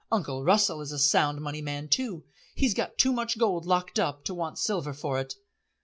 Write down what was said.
Uncle Russell is a Sound Money man too. He's got too much gold locked up to want silver for it."